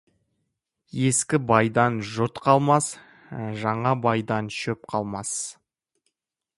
Ескі байдан жұрт қалмас, жаңа байдан шөп қалмас.